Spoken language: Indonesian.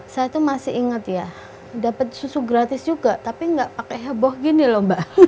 saya tuh masih inget ya dapet susu gratis juga tapi nggak pake heboh gini loh mbak